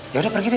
yaudah pergi deh